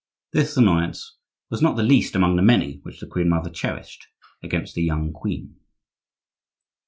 This annoyance was not the least among the many which the queen mother cherished against the young queen.